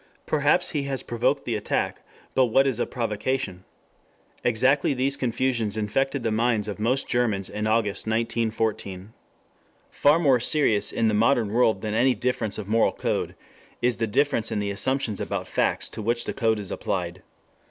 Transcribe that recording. Perhaps he has provoked the attack. But what is a provocation? Exactly these confusions infected the minds of most Germans in August, 1914. Far more serious in the modern world than any difference of moral code is the difference in the assumptions about facts to which the code is applied.